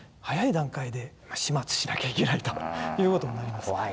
早い段階で始末しなきゃいけないということになります。